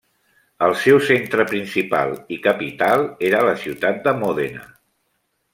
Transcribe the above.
El seu centre principal, i capital, era la ciutat de Mòdena.